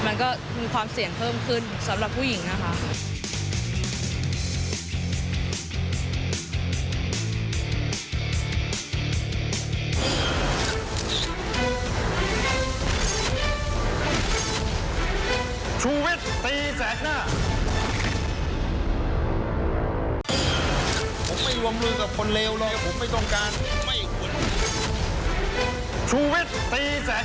มันก็มีความเสี่ยงเพิ่มขึ้นสำหรับผู้หญิงนะคะ